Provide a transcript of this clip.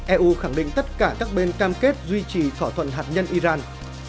eu khẳng định tất cả các bên cam kết duy trì thỏa thuận hạt nhân iran